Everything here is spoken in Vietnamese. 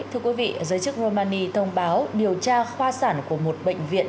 thưa quý vị giới chức romani thông báo điều tra khoa sản của một bệnh viện